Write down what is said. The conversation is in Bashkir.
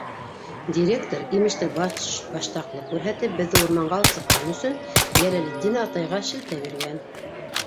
Директор, имештер, башбаштаҡлыҡ күрһәтеп, беҙҙе урманға алып сыҡҡан өсөн Йәләлетдин атайға шелтә биргән.